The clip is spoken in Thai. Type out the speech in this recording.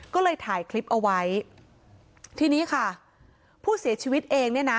ก็เลยถ่ายคลิปเอาไว้ทีนี้ค่ะผู้เสียชีวิตเองเนี่ยนะ